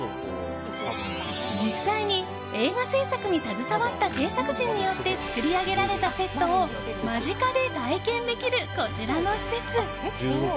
実際に映画制作に携わった制作陣によって作り上げられたセットを間近で体験できるこちらの施設。